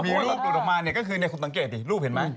มีรูปออกมาเนี่ยก็คือเนี่ยคุณต้องเก็บดิรูปเห็นมั้ย